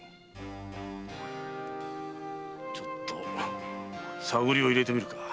ちょっと探りを入れてみるか。